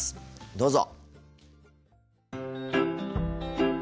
どうぞ。